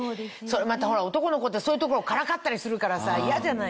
またほら男の子ってそういうところからかったりするからさ嫌じゃない。